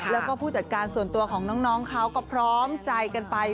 แล้วก็ผู้จัดการส่วนตัวของน้องเขาก็พร้อมใจกันไป